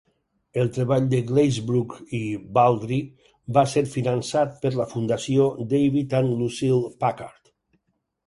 El treball de Glazebrook i Baldry va ser finançat per la Fundació David and Lucile Packard.